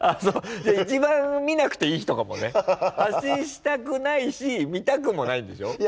じゃあ一番見なくていい人かもね。発信したくないし見たくもないんでしょ？